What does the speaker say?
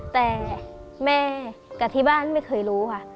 แต่แม่กับที่บ้านไม่เคยรู้ค่ะ